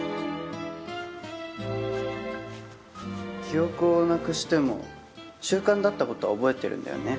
記憶をなくしても習慣だった事は覚えてるんだよね？